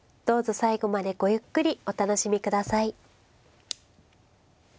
どうぞ最後までごゆっくりお楽しみ下さい。